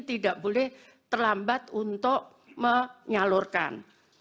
tidak boleh terlambat untuk menyalurkan